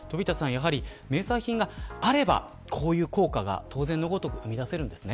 名産品があればこういった効果が当然のごとく生み出されるんですね。